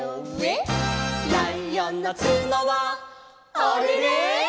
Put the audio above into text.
「ライオンのつのはあれれ」